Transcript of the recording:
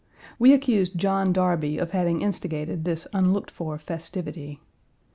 We accused John Darby of having instigated this unlooked for festivity.